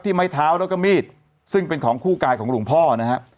ไม้เท้าแล้วก็มีดซึ่งเป็นของคู่กายของหลวงพ่อนะฮะ